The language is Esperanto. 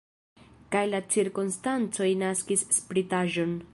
Kaj la cirkonstancoj naskis spritaĵon.